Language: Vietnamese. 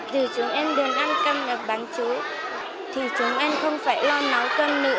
thì chúng em đừng ăn cân ở bán chú thì chúng em không phải lo nấu cân nữa